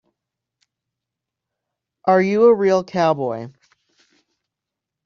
Are you a real cowboy?